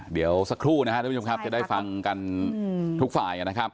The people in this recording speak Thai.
เดี๋ยวสักครู่นะครับจะได้ฟังกันทุกฝ่ายนะครับ